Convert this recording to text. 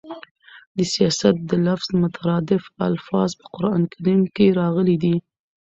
د سیاست د لفظ مترادف الفاظ په قران کريم کښي راغلي دي.